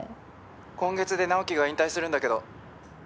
今月で直樹が引退するんだけど。